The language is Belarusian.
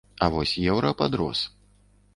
А вось еўра падрос.